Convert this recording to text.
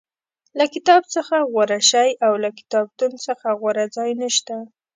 له کتاب څخه غوره شی او له کتابتون څخه غوره ځای نشته.